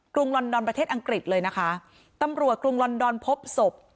ลอนดอนประเทศอังกฤษเลยนะคะตำรวจกรุงลอนดอนพบศพ